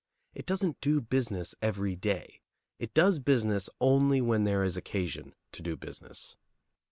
It doesn't do business every day. It does business only when there is occasion to do business.